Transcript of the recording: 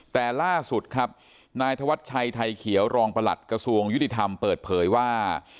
แต่ล่าสุดครับนายธวัชชัยไทยเขียวรองประหลัดกระทรวงยุติธรรมเปิดเผยว่า